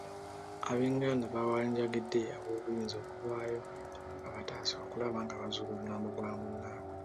Ab'enganda bawanjagidde ab'obuyinza okuvaayo babataase okulaba nga bazuula omulambo gwa munnaabwe.